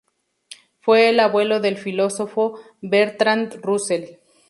Fue el abuelo del filósofo Bertrand Russell.